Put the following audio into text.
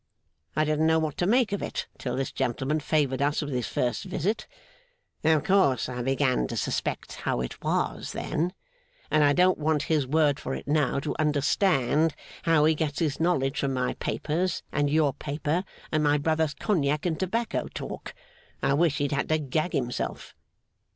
I didn't know what to make of it, till this gentleman favoured us with his first visit. Of course, I began to suspect how it was, then; and I don't want his word for it now to understand how he gets his knowledge from my papers, and your paper, and my brother's cognac and tobacco talk (I wish he'd had to gag himself).